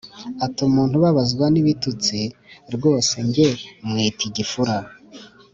ati “umuntu ubabazwa n’ibitutsi rwose njye mwita igifura!